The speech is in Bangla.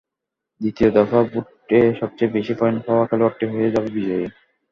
দ্বিতীয় দফা ভোটে সবচেয়ে বেশি পয়েন্ট পাওয়া খেলোয়াড়টি হয়ে যাবে বিজয়ী।